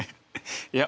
いや